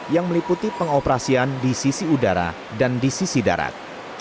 yang meliputi pengoperasian di sisi udara dan di sisi darat